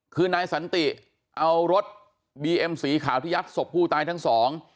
คือนายสันติเอารถบีเอ็มสีขาวที่ยัดศพผู้ตายทั้งสอง